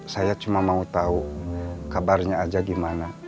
saya cuma mau tahu kabarnya aja gimana